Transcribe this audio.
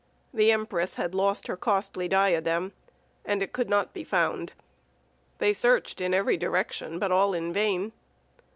The empress had lost her costly diadem, and it could not be found. They searched in every direction, but all in vain.